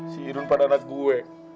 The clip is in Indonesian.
si irun pada anak gue